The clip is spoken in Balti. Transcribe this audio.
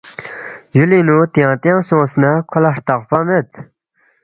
یُولنگ نُو تیانگ تیانگ سونگس نہ کھو لہ ہرتخفا مید